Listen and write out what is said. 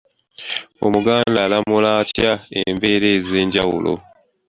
Omuganda alamula atya embeera ez’enjawulo?